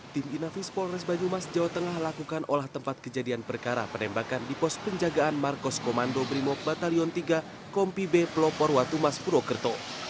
tim inafis polres banyumas jawa tengah lakukan olah tempat kejadian perkara penembakan di pos penjagaan markos komando brimob batalion tiga kompi b pelopor watumas purwokerto